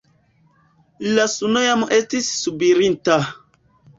La suno jam estis subirinta.